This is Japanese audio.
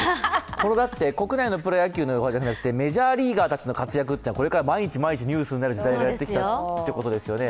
これだって国内のプロ野球の方じゃなくてメジャーリーガーたちの活躍をこれから毎日、毎日、ニュースになる時代がやってきたということですね。